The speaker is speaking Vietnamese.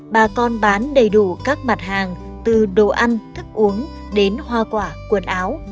bà con bán đầy đủ các mặt hàng từ đồ ăn thức uống đến hoa quả quần áo